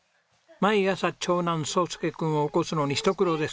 毎朝長男奏介君を起こすのにひと苦労です。